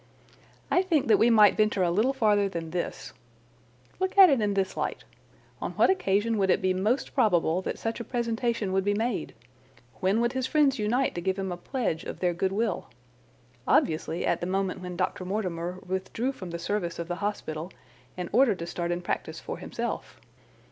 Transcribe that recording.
"I think that we might venture a little farther than this. Look at it in this light. On what occasion would it be most probable that such a presentation would be made? When would his friends unite to give him a pledge of their good will? Obviously at the moment when Dr. Mortimer withdrew from the service of the hospital in order to start a practice for himself.